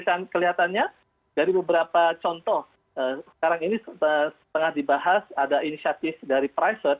dan kelihatannya dari beberapa contoh sekarang ini setengah dibahas ada inisiatif dari pricet